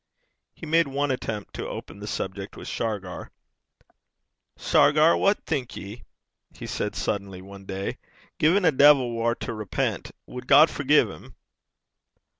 He made one attempt to open the subject with Shargar. 'Shargar, what think ye?' he said suddenly, one day. 'Gin a de'il war to repent, wad God forgie him?'